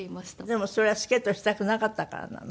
でもそれはスケートしたくなかったからなの？